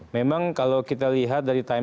memang kalau kita lihat dari time